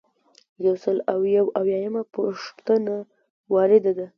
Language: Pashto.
یو سل او یو اویایمه پوښتنه وارده ده.